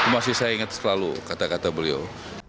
masih saya ingat selalu kata kata beliau